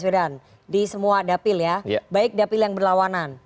perbedaan di semua dapil ya baik dapil yang berlawanan